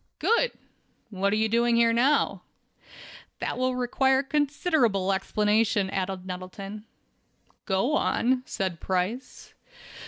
"Good! What are you doing here now?" "That will require considerable explanation," added Nettleton. "Go on," said Price.